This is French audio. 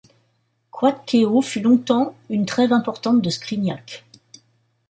Coat-Quéau fut longtemps une trève importante de Scrignac.